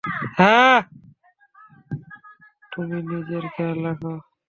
তুমি নিজের খেয়াল রাখো।